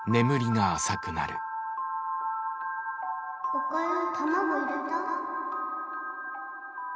おかゆ卵入れた？